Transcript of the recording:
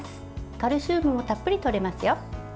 カルシウムもたっぷりとれますよ。